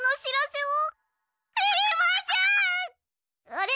あれ？